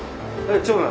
長男。